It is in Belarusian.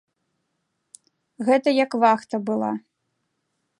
Гэта як вахта была.